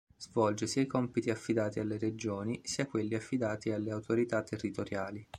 Svolge sia i compiti affidati alle regioni sia quelli affidati alle autorità territoriali.